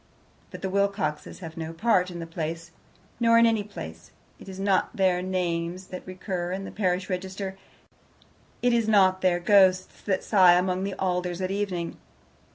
But the Wilcoxes have no part in the place, nor in any place. It is not their names that recur in the parish register. It is not their ghosts that sigh among the alders at evening.